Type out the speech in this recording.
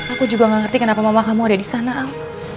aku juga gak ngerti kenapa mama kamu ada di sana al